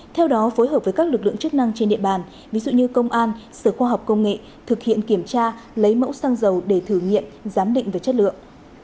theo đó phối hợp với các lực lượng chức năng trên địa bàn ví dụ như công an sở khoa học công nghệ thực hiện kiểm tra lấy mẫu xăng dầu để thử nghiệm giám định về chất lượng